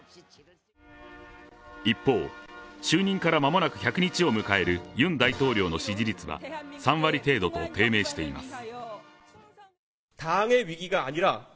一方、就任から間もなく１００日を迎えるユン大統領の支持率は３割程度と低迷しています。